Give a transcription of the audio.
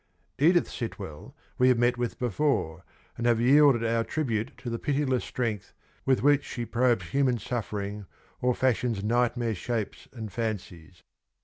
Edith Sitwell we have met with before, and have yielded our tribute to the pitiless strength with which she probes human suffering or fashions nightmare shapes and fancies.